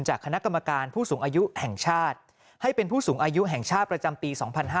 คณะกรรมการผู้สูงอายุแห่งชาติให้เป็นผู้สูงอายุแห่งชาติประจำปี๒๕๕๙